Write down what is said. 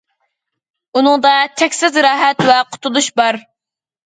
ئۇنىڭدا چەكسىز راھەت ۋە قۇتۇلۇش بار.